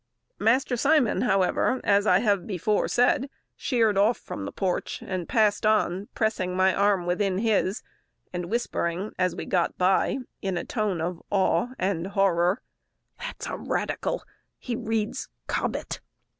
Master Simon, however, as I have before said, sheered off from the porch, and passed on, pressing my arm within his, and whispering as we got by, in a tone of awe and horror, "That's a radical! he reads Cobbett!"